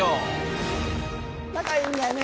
仲いいんだよね。